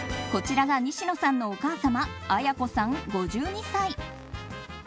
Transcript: こちらが西野さんのお母様文子さん、５２歳。